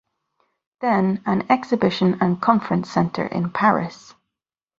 Then an exhibition and conference centre in Paris.